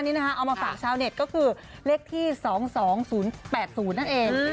เอามาฝากชาวเน็ตก็คือเลขที่๒๒๐๘๐นั่นเอง